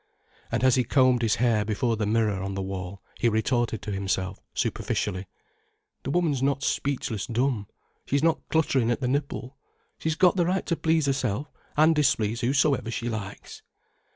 And as he combed his hair before the mirror on the wall, he retorted to himself, superficially: "The woman's not speechless dumb. She's not clutterin' at the nipple. She's got the right to please herself, and displease whosoever she likes."